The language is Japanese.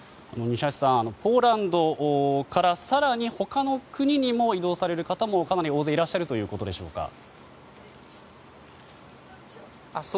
西橋さん、ポーランドから更に他の国にも移動される方もかなり大勢いらっしゃるということでしょうか。